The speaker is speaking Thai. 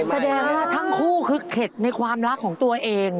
แสดงว่าทั้งคู่คือเข็ดในความรักของตัวเอง